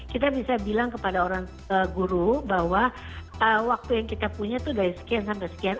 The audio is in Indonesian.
kita bisa bilang kepada orang guru bahwa waktu yang kita punya itu dari sekian sampai sekian